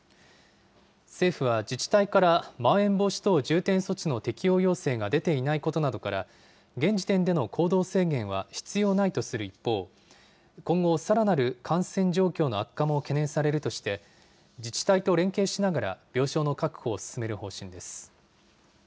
政府は、自治体から、まん延防止等重点措置の適用要請が出ていないことなどから、現時点での行動制限は必要ないとする一方、今後さらなる感染状況の悪化も懸念されるとして、自治体と連携しながら病床の確保を進める方針です。